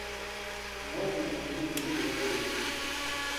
Moi j'ai grandi au milieu des prolos.